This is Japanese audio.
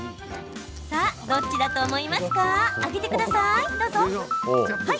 さあ、どっちだと思いますか？